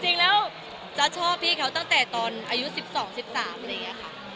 จริงแล้วจ๊ะชอบพี่เค้าตั้งแต่ตอนอายุ๑๒๑๓แบบนี้ค่ะ